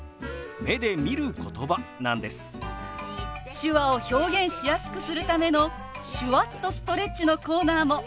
手話を表現しやすくするための「手話っとストレッチ」のコーナーも。